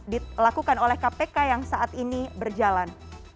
dilakukan oleh kpk yang saat ini berjalan